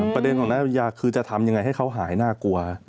ประเด็นของนายวิทยาคือจะทำยังไงให้เขาหายน่ากลัว